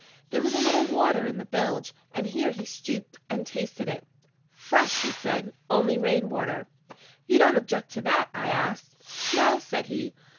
There was a little water in the bilge, and here he stooped and tasted it. "Fresh," he said. "Only rain water." "You don't object to that?" I asked. "No," said he.